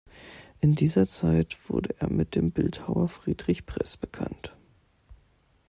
In dieser Zeit wurde er mit dem Bildhauer Friedrich Press bekannt.